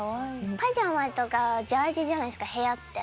パジャマとかジャージじゃないですか部屋って。